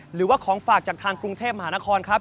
หรือว่าของฝากจากทางกรุงเทพมหานครครับ